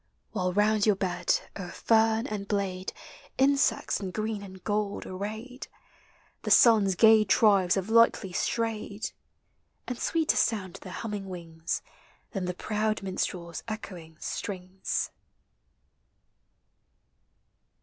While round your bed, o'er fern and blade. Insects in green and gold arrayed. The sun's gay tribes have lightly strayed; And sweeter sound their humming wings Than the proud minstrel's echoing strings.